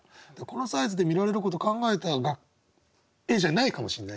このサイズで見られることを考えた絵じゃないかもしれないけどね。